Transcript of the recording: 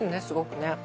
すごくね。